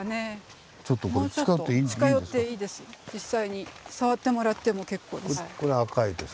実際に触ってもらっても結構です。